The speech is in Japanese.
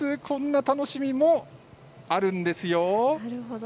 こんな楽しみもあるんですよ。